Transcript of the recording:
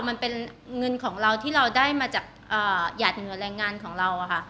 มันเป็นเงินของเราที่เราได้มาจากหยาดเหงื่อแรงงานของเราค่ะ